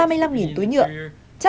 chắc không phải là một nhà tài chế